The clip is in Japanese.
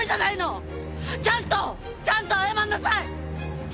ちゃんとちゃんと謝りなさい！